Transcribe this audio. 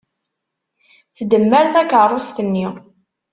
Tdemmer takeṛṛust-nni.